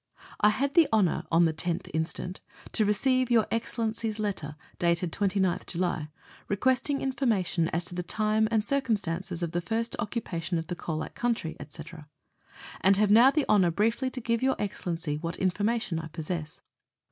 I had the honour, on the 10th instant, to receive Your Excel lency's letter dated 29th July, requesting information as to the time and circumstances of the first occupation of the Colac country, &c., and have now the honour briefly to give Your Excellency what information I possess.